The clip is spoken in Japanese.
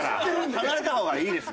離れた方がいいです。